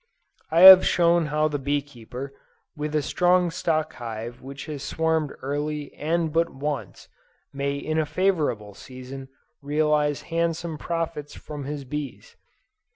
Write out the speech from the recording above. I have shown how the bee keeper, with a strong stock hive which has swarmed early and but once, may in a favorable season realize handsome profits from his bees.